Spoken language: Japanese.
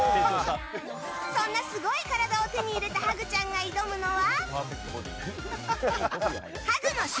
そんな、すごい体を手に入れたハグちゃんが挑むのは。